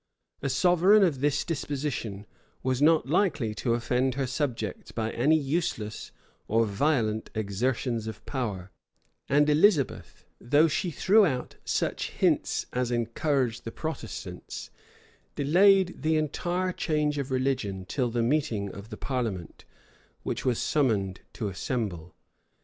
A sovereign of this disposition was not likely to offend her subjects by any useless or violent exertions of power; and Elizabeth, though she threw out such hints as encouraged the Protestants delayed the entire change of religion till the meeting of the parliament, which was summoned to assemble.